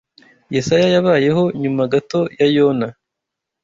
Yesaya yabayeho nyuma gato ya Yona